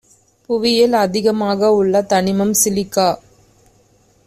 புவியில் அதிகமாக உள்ள தனிமம் சிலிக்கா